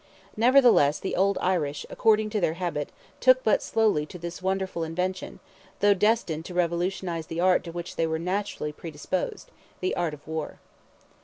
Nevertheless the old Irish, according to their habit, took but slowly to this wonderful invention, though destined to revolutionize the art to which they were naturally predisposed—the art of war.